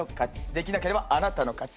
できなければあなたの勝ち。